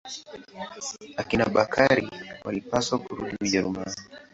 Akina Bakari walipaswa kurudi Ujerumani.